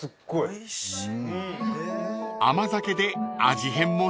おいしい。